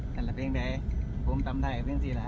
แทนละเพียงไทยพูดมันตามไทยเป็นที่หลัก